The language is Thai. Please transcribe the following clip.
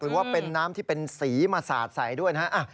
หรือว่าเป็นน้ำที่เป็นสีมาสาดใส่ด้วยนะฮะ